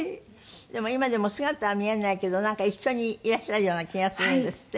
でも今でも姿は見えないけどなんか一緒にいらっしゃるような気がするんですって？